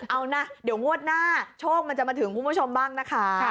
เอานะเดี๋ยวงวดหน้าโชคมันจะมาถึงคุณผู้ชมบ้างนะคะ